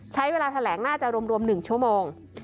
ใช้เวลาแถลงน่าจะรวมรวมหนึ่งชั่วโมง